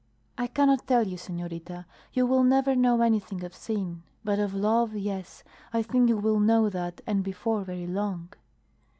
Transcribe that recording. "I cannot tell you, senorita. You will never know anything of sin; but of love yes, I think you will know that, and before very long."